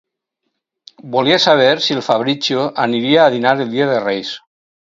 Volia saber si el Fabrizio aniria a dinar el dia de Reis.